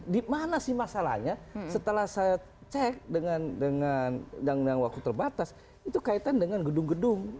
di mana sih masalahnya setelah saya cek dengan waktu terbatas itu kaitan dengan gedung gedung